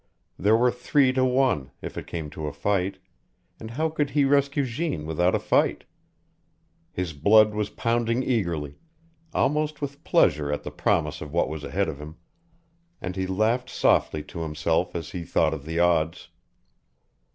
There were three to one, if it came to a fight and how could he rescue Jeanne without a fight? His blood was pounding eagerly, almost with pleasure at the promise of what was ahead of him, and he laughed softly to himself as he thought of the odds.